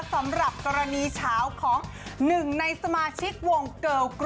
สำหรับกรณีเฉ้าของหนึ่งในสมาชิก